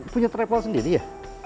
punya travel sendiri ya